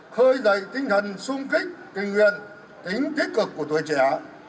khơi dậy tinh thần sung kích tình nguyện tính tích cực của tuổi trẻ